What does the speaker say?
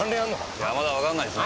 いやまだわかんないっす。